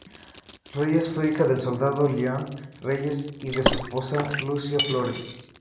Reyes fue hija del soldado León Reyes y de su esposa Luisa Flores.